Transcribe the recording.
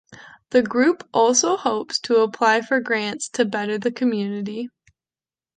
The group also hopes to apply for grants to better the community.